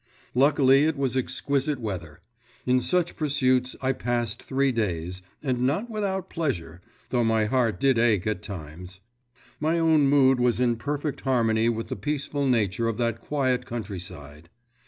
Luckily it was exquisite weather. In such pursuits I passed three days, and not without pleasure, though my heart did ache at times. My own mood was in perfect harmony with the peaceful nature of that quiet countryside.